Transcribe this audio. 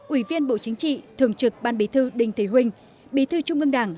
ủy viên bộ chính trị thường trực ban bí thư đình thế huynh bí thư trung ương đảng